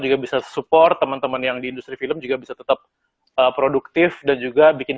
juga bisa support teman teman yang di industri film juga bisa tetap produktif dan juga bikin